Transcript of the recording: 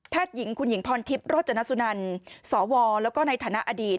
หญิงคุณหญิงพรทิพย์โรจนสุนันสวแล้วก็ในฐานะอดีต